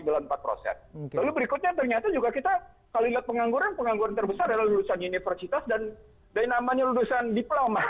lalu berikutnya ternyata juga kita kalau lihat pengangguran pengangguran terbesar adalah lulusan universitas dan dari namanya lulusan diploma